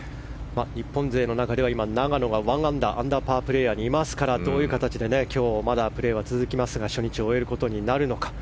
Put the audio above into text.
日本勢の中では永野がアンダーパープレーヤーにいますからどういう形で今日、まだプレーは続きますが初日を終えることになるのか。